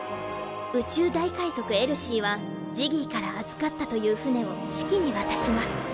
宇宙大海賊・エルシーはジギーから預かったという船をシキに渡します。